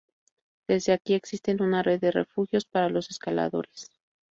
Desde aquí, existen una red de refugios para los escaladores.